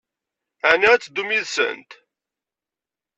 Ɛni ad teddum yid-sent?